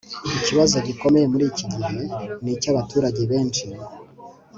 ikibazo gikomeye muri iki gihe ni icy'abaturage benshi